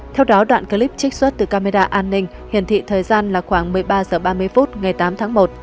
theo đó đoạn clip trích xuất từ camera an ninh hiển thị thời gian là khoảng một mươi ba h ba mươi phút ngày tám tháng một